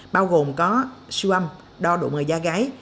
bao gồm có siêu âm đo độ người da gái